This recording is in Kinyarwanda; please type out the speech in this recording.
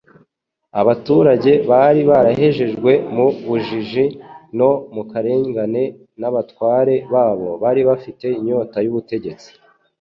Abaturage bari barahejejwe mu bujiji no mu karengane n'abatware babo bari bafite inyota y'ubutegetsi,